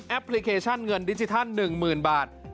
แอปพลิเคชันเงินดิจิทัล๑หมื่นบาท